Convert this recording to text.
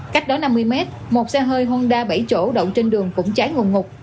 cách đó năm mươi mét một xe hơi honda bảy chỗ đậu trên đường cũng cháy ngồn ngục